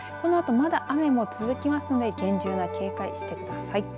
このあとまた雨も続きますので厳重な警戒してください。